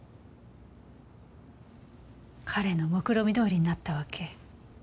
彼のもくろみどおりになったわけ。